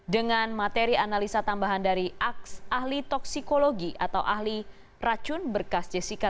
dengan materi analisa tambahan dari ahli toksikologi atau ahli racun berkas jessica